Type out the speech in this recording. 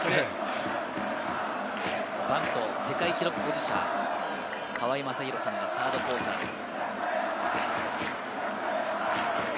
バント世界記録保持者・川相昌弘さんがサードコーチャーです。